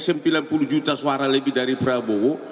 sembilan puluh juta suara lebih dari prabowo